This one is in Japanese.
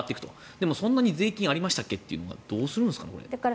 でも、そんなに税金がありましたっけ？というのはどうするんですか、これ。